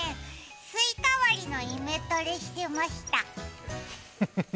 スイカ割りのイメトレしてました。